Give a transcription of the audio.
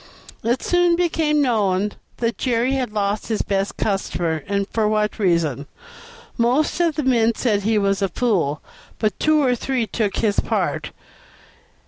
It soon became known that Jerry had lost his best customer, and for what reason. Most of the men said he was a fool, but two or three took his part.